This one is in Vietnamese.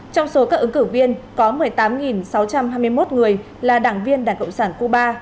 trong số các ứng cử viên có một mươi tám sáu trăm hai mươi một người là đảng viên đảng cộng sản cuba